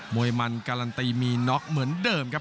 วยมันการันตีมีน็อกเหมือนเดิมครับ